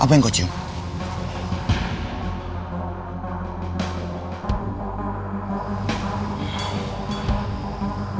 tidak ini anakku yang memiliki minyak akar kuning